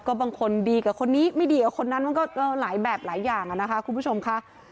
ก็บางคนดีกับคนนี้ไม่ดีกับคนนั้นมันก็หลายแบบหลายอย่างนะคะคุณผู้ชมค่ะ